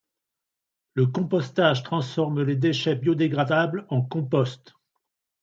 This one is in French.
Le compostage transforme les déchets biodégradables en compost.